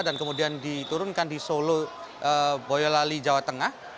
dan kemudian diturunkan di solo boyolali jawa tengah